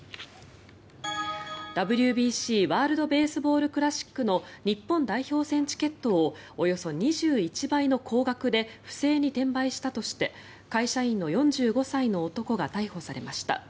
ＷＢＣ＝ワールド・ベースボール・クラシックの日本代表戦チケットをおよそ２１倍の高額で不正に転売したとして会社員の４５歳の男が逮捕されました。